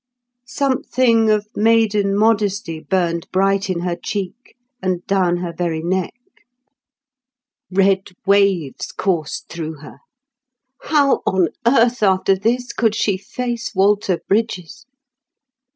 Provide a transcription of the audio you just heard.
Something of maiden modesty burned bright in her cheek and down her very neck. Red waves coursed through her. How on earth after this could she face Walter Brydges?